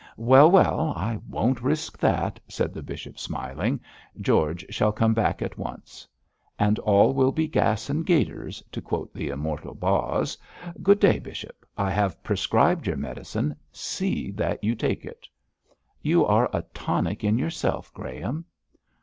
'Well, well, I won't risk that,' said the bishop, smiling. 'George shall come back at once.' 'And all will be gas and gaiters, to quote the immortal Boz. Good day, bishop! I have prescribed your medicine; see that you take it.' 'You are a tonic in yourself, Graham.'